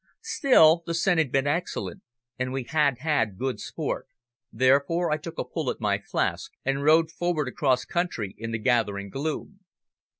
Still, the scent had been excellent, and we had had good sport, therefore I took a pull at my flask and rode forward across country in the gathering gloom.